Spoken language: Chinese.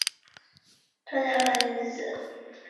本剧由日升动画制作的原创作品的第三部。